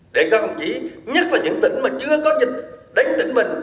đấy các ông chí nhất là những tỉnh mà chưa có dịch đến tỉnh mình